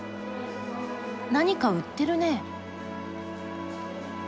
何か売ってるね。